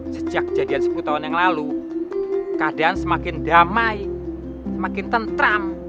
sejak jadian sepuluh tahun yang lalu keadaan semakin damai semakin tentram